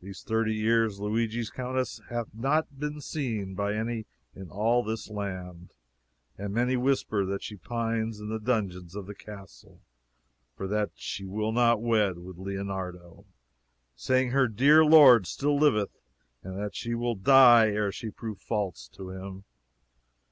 These thirty years Luigi's countess hath not been seen by any in all this land, and many whisper that she pines in the dungeons of the castle for that she will not wed with Leonardo, saying her dear lord still liveth and that she will die ere she prove false to him.